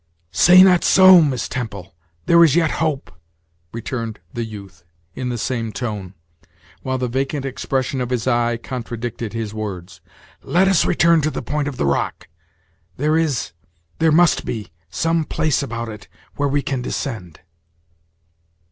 "Say not so, Miss Temple; there is yet hope," returned the youth, in the same tone, while the vacant expression of his eye contradicted his words; "let us return to the point of the rock there is there must be some place about it where we can descend.